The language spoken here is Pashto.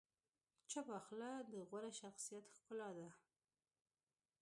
چپه خوله، د غوره شخصیت ښکلا ده.